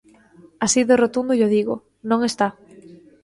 Así de rotundo llo digo, non está.